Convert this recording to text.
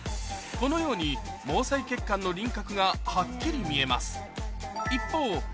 このように毛細血管の輪郭がはっきり見えます